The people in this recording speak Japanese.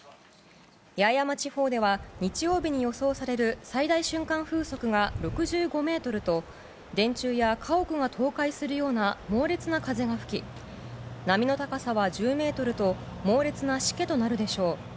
八重山地方では日曜日に予想される最大瞬間風速が６５メートルと電柱や家屋が倒壊するような猛烈な風が吹き波の高さは１０ｍと猛烈なしけとなるでしょう。